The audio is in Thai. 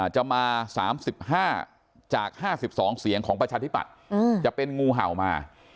จะมา๓๕จาก๕๒เสียงของประชาธิปัตย์จะเป็นงูเห่ามา